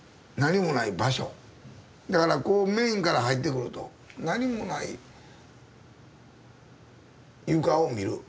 だからこうメインから入ってくると何もない床を見る。